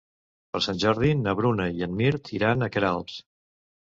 Per Sant Jordi na Bruna i en Mirt iran a Queralbs.